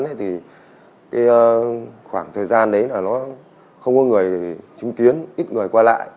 đối tượng gây án thì khoảng thời gian đấy là nó không có người chứng kiến ít người qua lại